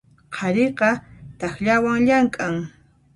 Qhariqa takllawan llamk'an.